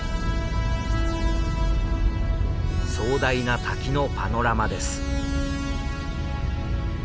壮大な滝のパノラマです。